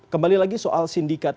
kembali lagi soal sindikat